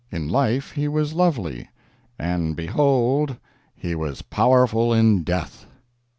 In life he was lovely, and behold, he was powerful in death.